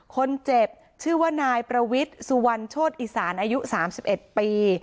คนเจ็บชื่อว่านายประวิทย์สุวรรณโชธอีสานอายุ๓๑ปี